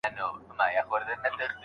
استاد به د شاګرد تېروتني ور په ګوته کړي.